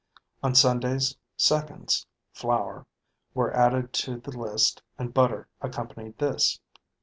On Sundays "seconds" (flour) were added to the list and butter accompanied this.